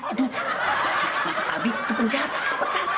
aduh maksud kami itu penjahat cepetan